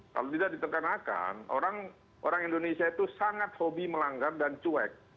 kalau tidak ditekanakan orang indonesia itu sangat hobi melanggar dan cuek